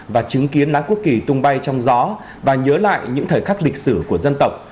và chứng kiến lá quốc kỳ tung bay trong gió và nhớ lại những thời khắc lịch sử của dân tộc